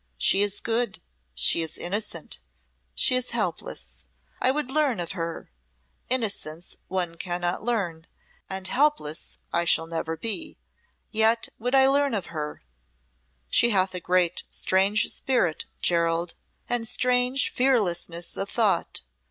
She is good, she is innocent, she is helpless. I would learn of her. Innocence one cannot learn, and helpless I shall never be, yet would I learn of her.' She hath a great, strange spirit, Gerald, and strange fearlessness of thought.